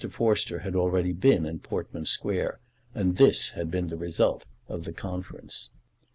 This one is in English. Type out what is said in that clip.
Forster had already been in Portman Square, and this had been the result of the conference.